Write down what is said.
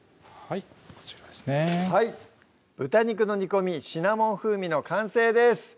はい「豚肉の煮込みシナモン風味」の完成です